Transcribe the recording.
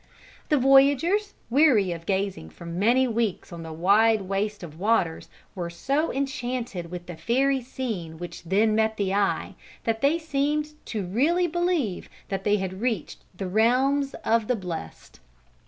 The voyagers, weary of gazing for many weeks on the wide waste of waters, were so enchanted with the fairy scene which then met the eye, that they seemed really to believe that they had reached the realms of the blest.